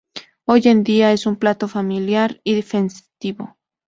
Hoy en día, es un plato familiar y festivo.